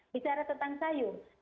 bicara tentang sayur